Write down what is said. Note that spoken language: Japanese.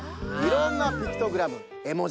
いろんなピクトグラムえ